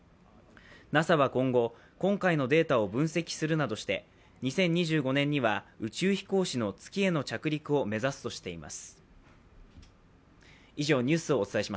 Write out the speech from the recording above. ＮＡＳＡは今後、今回のデータを分析するなどして２０２５年には宇宙飛行士の月への着陸を目指すとしています。